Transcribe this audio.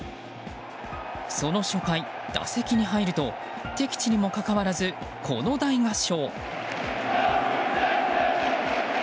その初回、打席に入ると敵地にもかかわらずこの大合唱。